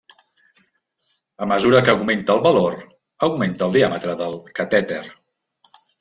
A mesura que augmenta el valor, augmenta el diàmetre del catèter.